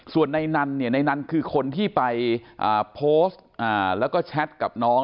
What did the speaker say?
ส่วนในนั้นเนี่ยในนั้นคือคนที่ไปโพสต์แล้วก็แชทกับน้อง